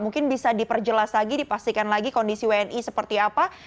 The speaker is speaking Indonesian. mungkin bisa diperjelas lagi dipastikan lagi kondisi wni seperti apa